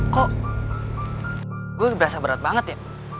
kok gue berasa berat banget ya